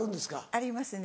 ありますね。